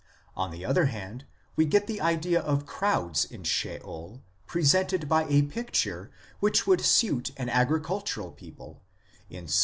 On the other hand, we get the idea of crowds in Sheol presented by a picture which would suit an agricultural people in Ps.